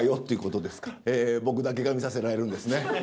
僕だけが見させられるんですね。